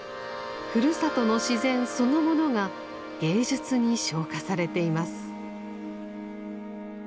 ふるさとの自然そのものが芸術に昇華されています。